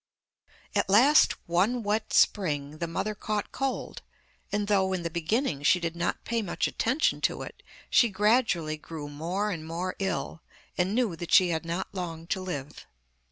At last one wet spring the mother caught cold, and though in the beginning she did not pay much attention to it, she gradually grew more and more ill, and knew that she had not long to live.